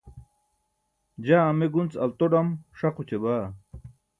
jaa ame gunc alto-ḍam ṣaq oćabaa